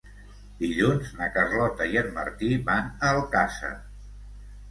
Dilluns na Carlota i en Martí van a Alcàsser.